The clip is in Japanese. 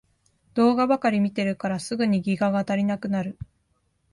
動画ばかり見てるからすぐにギガが足りなくなる